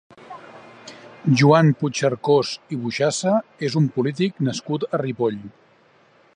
Joan Puigcercós i Boixassa és un polític nascut a Ripoll.